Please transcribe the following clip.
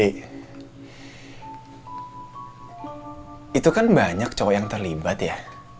itu kan banyak cowok yang terlibat ya